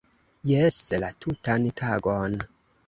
- Jes! - La tutan tagon